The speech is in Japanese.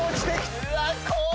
「うわ怖え！」